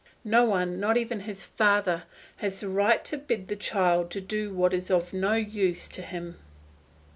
No one, not even his father, has the right to bid the child do what is of no use to him.